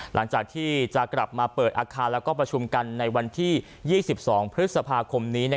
หลังจากที่จะกลับมาเปิดอาคารแล้วก็ประชุมกันในวันที่๒๒พฤษภาคมนี้